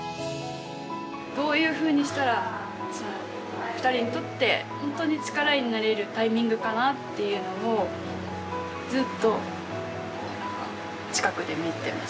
どういうふうにしたら２人にとって本当に力になれるタイミングかなっていうのをずっと近くで見てました。